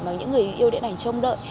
mà những người yêu điện ảnh trông đợi